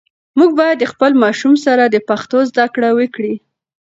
مور باید د خپل ماشوم سره د پښتو زده کړه وکړي.